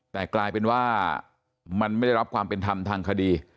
แต่กลายเป็นว่ามันไม่ได้รับความเป็นธรรมทางคดี